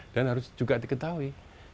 dan harus juga diketahui